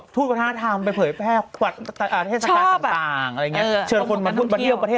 เชิญคนมาเที่ยวประเทศเราเยอะอะไรอย่างนี้